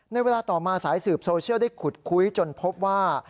ในเวลาต่อมาสายสืบโซเชียลได้ขุดคุยจนพบว่า